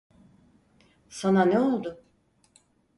Sana ne oldu?